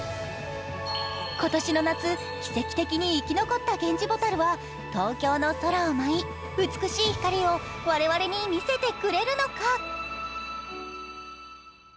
今年の夏、奇跡的に生き残ったゲンジボタルは東京の空を舞い、美しい光を我々に見せてくれるのか？